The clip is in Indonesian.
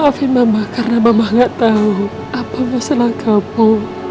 maafin mama karena mama gak tahu apa masalah kamu